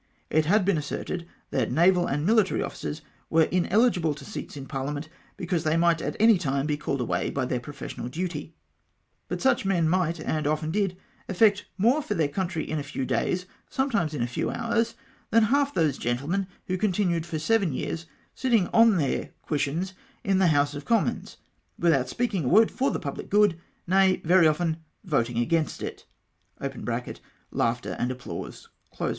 "It had been asserted, that naval and military officers were ineligible to seats in parliament, because they might at acy time be called away by their professional duty. But such I AM ELECTED. 210 men might — and often did — effect more for their country in a few days — sometimes in a few hours — than half those gentlemen who continued for seven years, sitting on their cushions in the House of Commons, without speaking a word for the public good,^ — nay, very often voting against it (laughter and applause).